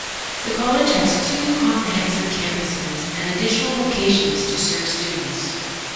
The college has two comprehensive campuses and additional locations to serve students.